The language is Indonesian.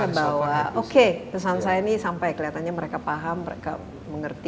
bahwa oke pesan saya ini sampai kelihatannya mereka paham mereka mengerti